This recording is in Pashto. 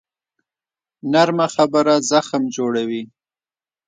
نرمه خبره زخم جوړوي